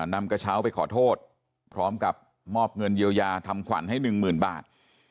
นำกระเช้าไปขอโทษพร้อมกับมอบเงินเยียวยาทำขวัญให้หนึ่งหมื่นบาท